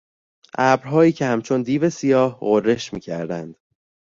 ابرهایی که همچون دیو سیاه غرش میکردند